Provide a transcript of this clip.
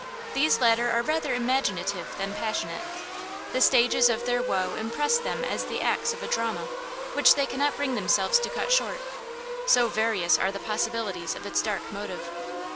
These latter are rather imaginative than passionate; the stages of their woe impress them as the acts of a drama, which they cannot bring themselves to cut short, so various are the possibilities of its dark motive.